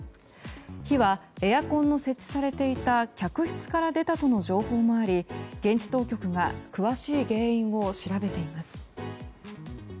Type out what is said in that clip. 火は、エアコンの設置されていた客室から出たとの情報もあり、現地当局が詳しい原因を調べています。